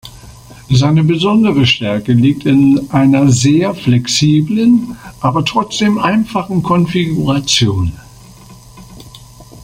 Seine besondere Stärke liegt in einer sehr flexiblen, aber trotzdem einfachen Konfiguration.